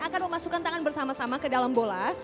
akan memasukkan tangan bersama sama ke dalam bola